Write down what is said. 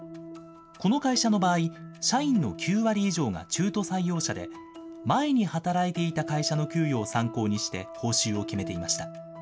この会社の場合、社員の９割以上が中途採用者で、前に働いていた会社の給与を参考にして報酬を決めていました。